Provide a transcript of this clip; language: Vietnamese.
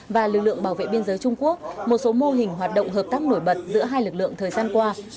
và lực lượng bảo vệ biên giới trung quốc một số mô hình hoạt động hợp tác nổi bật giữa hai lực lượng thời gian qua